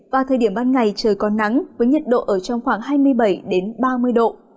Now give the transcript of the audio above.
và thời điểm ban ngày trời có nắng với nhiệt độ ở trong khoảng hai mươi bảy ba mươi độ